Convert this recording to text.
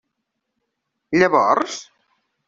Llavors?